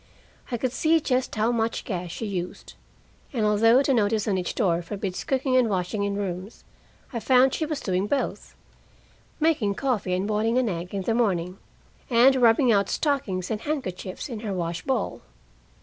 I could see just how much gas she used; and although the notice on each door forbids cooking and washing in rooms, I found she was doing both: making coffee and boiling an egg in the morning, and rubbing out stockings and handkerchiefs in her wash bowl.